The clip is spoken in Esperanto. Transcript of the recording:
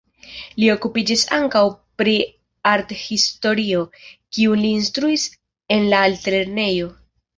Li okupiĝis ankaŭ pri arthistorio, kiun li instruis en la altlernejo.